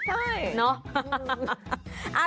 ใช่เนาะ